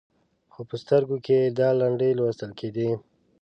خو په سترګو کې یې دا لنډۍ لوستل کېدې.